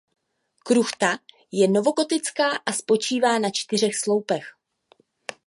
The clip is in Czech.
Kruchta je novogotická a spočívá na čtyřech sloupech.